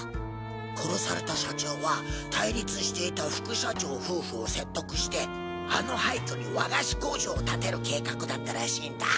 殺された社長は対立していた副社長夫婦を説得してあの廃墟に和菓子工場を建てる計画だったらしいんだ。